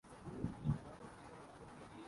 کہ اس سے فرانس ا ور جرمنی کے انتخابات پر بھی اثر